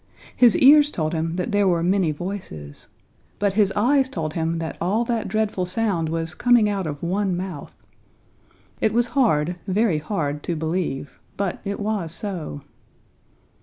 His ears told him that there were many voices, but his eyes told him that all that dreadful sound was coming out of one mouth. It was hard, very hard, to believe, but it was so.